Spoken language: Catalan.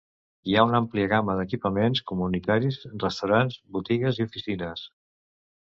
Hi ha una àmplia gamma d'equipaments comunitaris, restaurants, botigues i oficines.